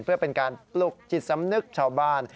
เพื่อเป็นการปลุกจิตสำนึกชาวบ้าน